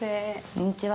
こんにちは